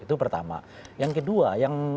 itu pertama yang kedua yang